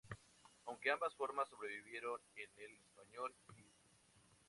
Aunque ambas formas sobrevivieron en el español, viz.